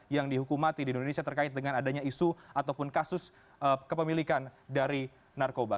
yang dihukum mati di indonesia terkait dengan adanya isu ataupun kasus kepemilikan dari narkoba